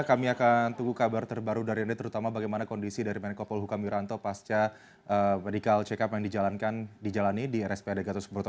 kami akan tunggu kabar terbaru dari anda terutama bagaimana kondisi dari menko polhukam wiranto pasca medical check up yang dijalani di rspad gatot subroto